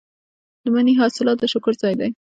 د مني حاصلات د شکر ځای دی.